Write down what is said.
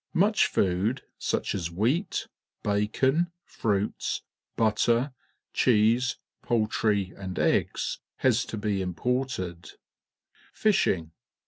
Much food, such as wheat, bacon, fruits, buUeij cheese, poultry , and eggs, Tias to be imported "Fishing.